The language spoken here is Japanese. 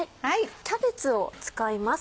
キャベツを使います。